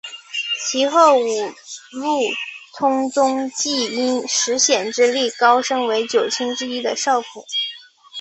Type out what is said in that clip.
其后五鹿充宗即因石显之力高升为九卿之一的少府。